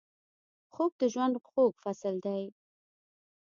خوب د ژوند خوږ فصل دی